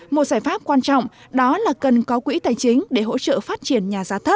một giải pháp quan trọng đó là cần có quỹ tài chính để hỗ trợ phát triển